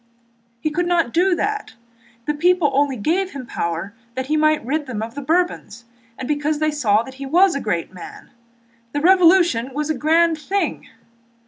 "He could not do that. The people only gave him power that he might rid them of the Bourbons and because they saw that he was a great man. The Revolution was a grand thing!"